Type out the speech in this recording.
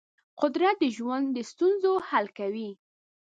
قدرت د ژوند د ستونزو حل کوي.